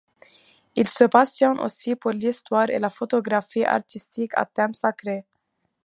Il se passionne aussi pour l'histoire et la photographie artistique à thème sacré.